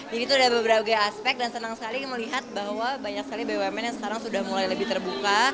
jadi itu ada beberapa aspek dan senang sekali melihat bahwa banyak sekali bumn yang sekarang sudah mulai lebih terbuka